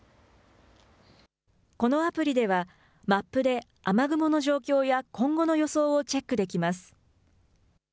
このアプリではマップで雨雲の状況や今後の予想をチェックできます。